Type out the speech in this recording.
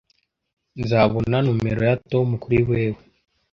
nzabona numero ya tom kuri wewe